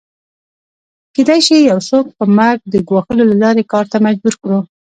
کېدای شي یو څوک په مرګ د ګواښلو له لارې کار ته مجبور کړو